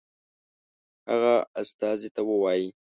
هغه استازي ته ووايي.